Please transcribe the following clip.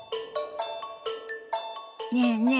ねえねえ